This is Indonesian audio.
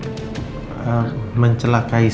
ibu telah menolong saya hari ini